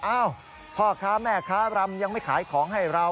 อ้าวพ่อค้าแม่ค้ารำยังไม่ขายของให้เรา